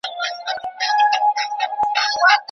دې ورستو اوبو کي زه هم تباه کېږم